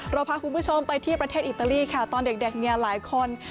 เราพาคุณผู้ชมไปที่ประเทศอิตาลีค่ะตอนเด็กเนี่ยหลายคน